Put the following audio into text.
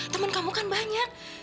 temen kamu kan banyak